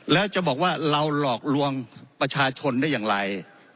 แล้วจะบอกว่าเราหลอกลวงประชาชนได้อย่างไร